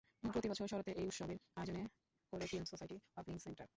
প্রতি বছর শরতে এই উৎসবের আয়োজন করে film society of Lincoln centre.